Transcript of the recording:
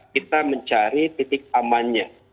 kita mencari titik amannya